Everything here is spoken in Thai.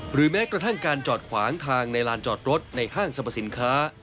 แม้กระทั่งการจอดขวางทางในลานจอดรถในห้างสรรพสินค้า